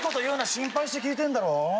心配して聞いてんだろ。